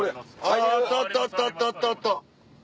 あったあったあった。